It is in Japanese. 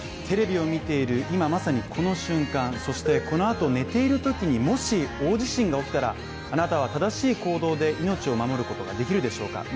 テレビを見ている今まさにこの瞬間そして、このあと、寝ているときにもし、大地震が起きたらあなたは正しい行動で命を守ることができるでしょうか。